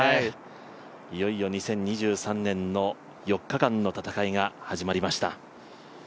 いよいよ２０２３年の４日間の戦いが始まりました。